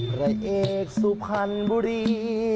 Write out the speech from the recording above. พระเอกสุพรรณบุรี